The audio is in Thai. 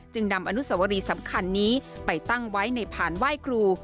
นำอนุสวรีสำคัญนี้ไปตั้งไว้ในผ่านไหว้ครู